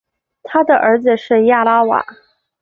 他的儿子是亚拉瓦。